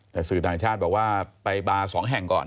แต่สื่อต่างชาติบอกว่าไปบาร์๒แห่งก่อน